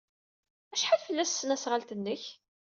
Acḥal fell-as tesnasɣalt-nnek?